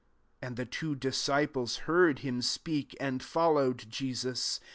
37 And the two disciples heard him speak, and £>]lowed Jesus.